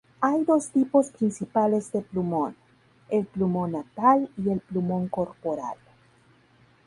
Hay dos tipos principales de plumón: el plumón natal y el plumón corporal.